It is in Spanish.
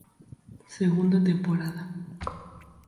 Segunda temporada.